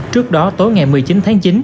trước đó tối ngày một mươi chín tháng chín